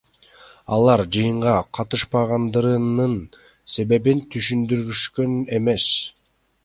Алар жыйынга катышпагандырынын себебин түшүндүрүшкөн эмес.